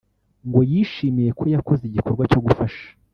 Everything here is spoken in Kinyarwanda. ngo yishimiye ko yakoze igikorwa cyo gufasha